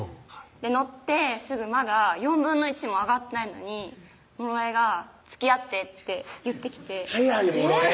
乗ってすぐまだ４分の１も上がってないのにもろえが「つきあって」って言ってきて早いもろえ！